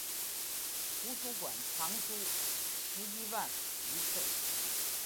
图书馆藏书十一万余册。